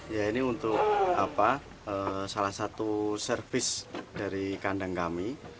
ya ini untuk salah satu servis dari kandang kami